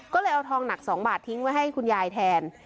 ก็เลยเอาทองหนัก๒บาททิ้งไว้ให้คุณยายแทน